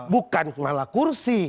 bukan malah kursi